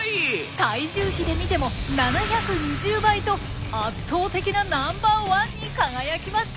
体重比で見ても７２０倍と圧倒的なナンバーワンに輝きました。